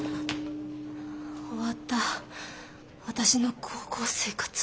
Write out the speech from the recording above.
終わった私の高校生活。